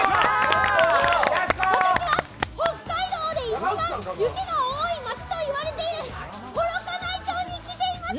今、私は北海道で一番雪が多い町といわれている幌加内町に来ています。